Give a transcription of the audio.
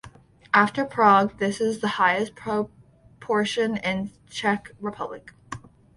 After Prague, this is the highest proportion in the Czech Republic.